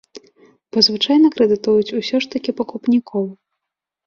Бо звычайна крэдытуюць усе ж пакупнікоў.